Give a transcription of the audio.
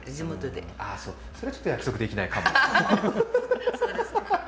それはちょっと約束できないかも。